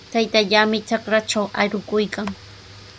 Taytallaami trakratraw arukuykan.